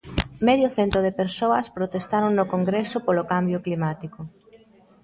Medio cento de persoas protestaron no Congreso polo cambio climático.